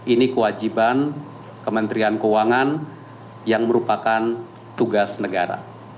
ini kewajiban kementerian keuangan yang merupakan tugas negara